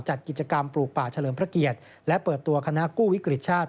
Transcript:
จัดกิจกรรมปลูกป่าเฉลิมพระเกียรติและเปิดตัวคณะกู้วิกฤตชาติ